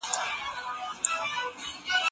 پښتو به د زده کړې وسیله وي.